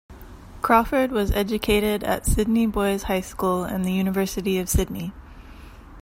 Crawford was educated at Sydney Boys High School and the University of Sydney.